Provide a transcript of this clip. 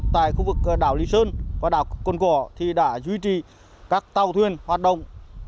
tại khu vực đảo lý sơn và đảo cồn cỏ thì đã duy trì các tàu thuyền hoạt động